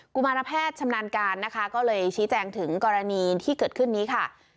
ุมารแพทย์ชำนาญการนะคะก็เลยชี้แจงถึงกรณีที่เกิดขึ้นนี้ค่ะ